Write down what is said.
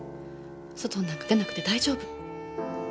外になんか出なくて大丈夫。